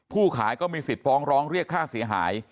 ขายก็มีสิทธิ์ฟ้องร้องเรียกค่าเสียหาย